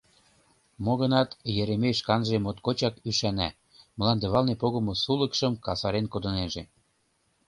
Мо-гынат, Еремей шканже моткочак ӱшана — мландывалне погымо сулыкшым касарен кодынеже.